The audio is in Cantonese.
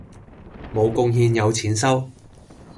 無貢獻有錢收